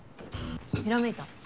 ひらめいた？